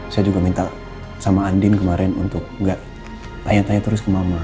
saya juga minta sama andin kemarin untuk gak tanya tanya terus ke mama